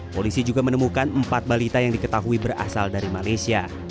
polisi juga menemukan empat balita yang diketahui berasal dari malaysia